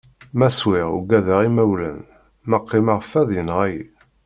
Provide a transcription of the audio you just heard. Ma swiɣ ugadeɣ imawlan, ma qqimeɣ fad yenɣa-yi.